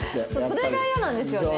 それがイヤなんですよね。